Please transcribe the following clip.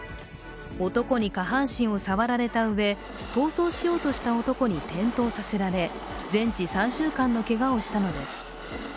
男に下半身を触られたうえ、逃走しようとした男に転倒させられ、全治３週間のけがをしたのです。